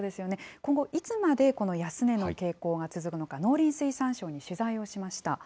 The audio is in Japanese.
今後、いつまでこの安値の傾向が続くのか、農林水産省に取材をしました。